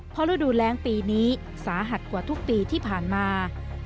เพราะฤดูแรงปีนี้สาหัสกว่าทุกปีที่ผ่านมา